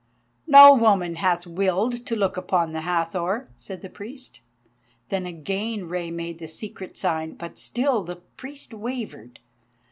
"No woman hath willed to look upon the Hathor," said the priest. Then again Rei made the secret sign, but still the priest wavered.